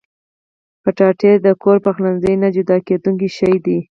کچالو د کور پخلنځي نه جدا کېدونکی شی دی